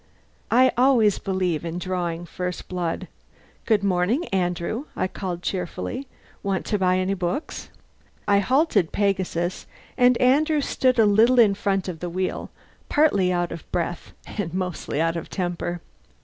I always believe in drawing first blood. "Good morning, Andrew," I called cheerfully. "Want to buy any books?" I halted Pegasus, and Andrew stood a little in front of the wheel partly out of breath and mostly out of temper.